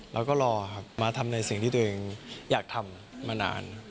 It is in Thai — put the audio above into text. แล้วก็รอครับมาทำในสิ่งที่ตัวเองอยากทำมานาน